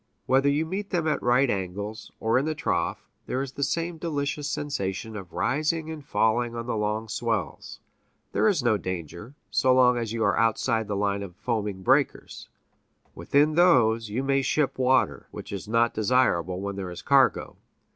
Whether you meet them at right angles, or in the trough, there is the same delicious sensation of rising and falling on the long swells there is no danger, so long as you are outside the line of foaming breakers; within those, you may ship water, which is not desirable when there is a cargo.